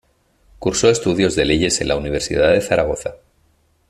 Cursó estudios de Leyes en la Universidad de Zaragoza.